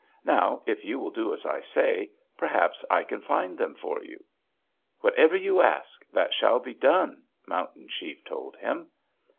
Now, if you will do as I say, perhaps I can find them for you.' "'Whatever you ask, that shall be done,' Mountain Chief told him.